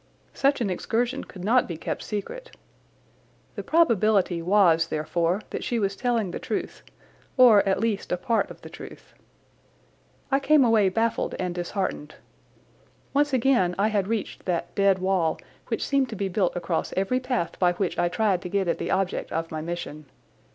Such an excursion could not be kept secret. The probability was, therefore, that she was telling the truth, or, at least, a part of the truth. I came away baffled and disheartened. Once again I had reached that dead wall which seemed to be built across every path by which I tried to get at the object of my mission.